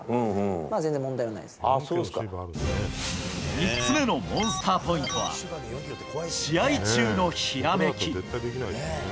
３つ目のモンスターポイントは試合中のひらめき。